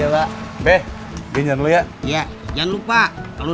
karena dia pakai kartu